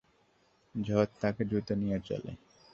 ঝড় তাকে দ্রুত নিয়ে চলে।